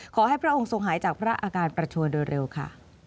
พระองค์ทรงหายจากพระอาการประชวนโดยเร็วค่ะ